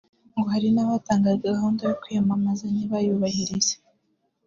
ngo hari n’abatangaga gahunda yo kwiyamamaza ntibayubahirize